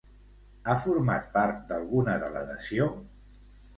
Ha format part d'alguna delegació?